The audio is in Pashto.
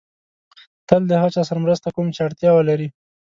تل د هغه چا سره مرسته کوم چې اړتیا ولري.